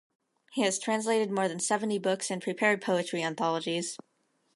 He has translated more than seventy books and prepared poetry anthologies.